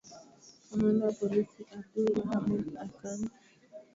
kamanda wa polisi abdul rahaman akano